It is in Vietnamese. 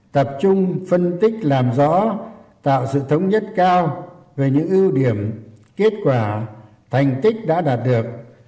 tập trung phân tích làm rõ tạo sự thống nhất cao về những ưu điểm kết quả thành tích đã đạt được